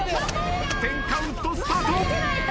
１０カウントスタート。